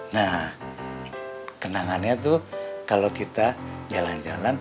nah kenangannya tuh kalau kita jalan jalan